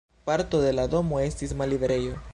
Parto de la domo estis malliberejo.